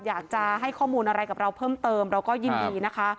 อยากจะให้ข้อมูลอะไรกับเราเพิ่มเติมเราก็ยินดีนะคะ